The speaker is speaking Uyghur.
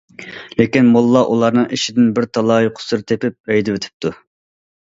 لېكىن موللا ئۇلارنىڭ ئىشىدىن بىر تالاي قۇسۇر تېپىپ ھەيدىۋېتىپتۇ.